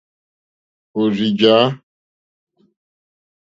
Òrzì jǎ.